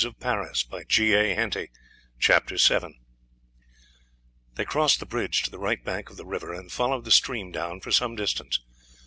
CHAPTER VII IN THE STREETS OF PARIS They crossed the bridge to the right bank of the river, and followed the stream down for some distance.